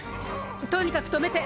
とにかく止めて！